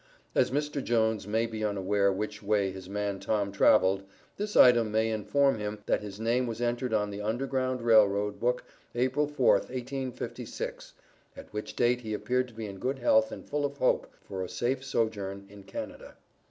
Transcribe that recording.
As Mr. Jones may be unaware which way his man Tom traveled, this item may inform him that his name was entered on the Underground Rail Road book April 4th, 1856, at which date he appeared to be in good health and full of hope for a safe sojourn in Canada.